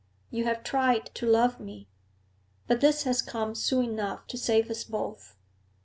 You have tried to love me; but this has come soon enough to save us both.'